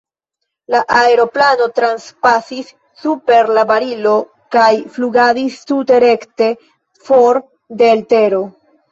La aeroplano transpasis super la barilo kaj flugadis tute rekte for de l' tero.